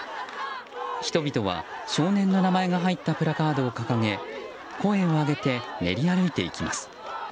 人々は、少年の名前が入ったプラカードを掲げ声を上げて練り歩いていきます。